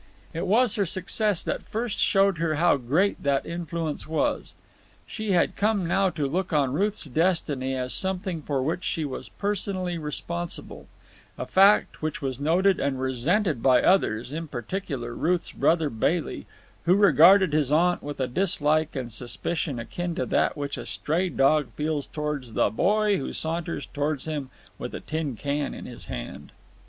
It was her success that first showed her how great that influence was. She had come now to look on Ruth's destiny as something for which she was personally responsible—a fact which was noted and resented by others, in particular Ruth's brother Bailey, who regarded his aunt with a dislike and suspicion akin to that which a stray dog feels towards the boy who saunters towards him with a tin can in his hand.